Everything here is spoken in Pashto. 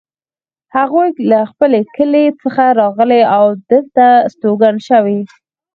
هغوی له خپل کلي څخه راغلي او دلته استوګن شوي